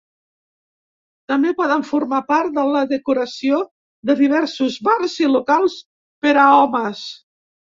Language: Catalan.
També poden formar part de la decoració de diversos bars i locals per a homes.